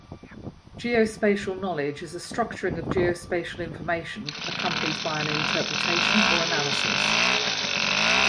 Geospatial knowledge is a structuring of geospatial information, accompanied by an interpretation or analysis.